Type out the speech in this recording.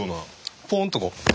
ポンとこう。